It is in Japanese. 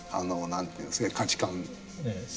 価値観。